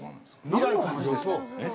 何のですか？